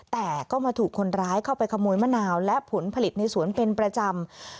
แต่ก็มาถูกคนร้ายเข้าไปขโมยมะนาวและผลผลิตในสวนเป็นประจำ